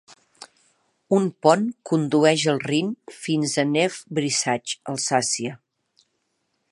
Un pont condueix al Rin fins a Neuf-Brisach, Alsàcia.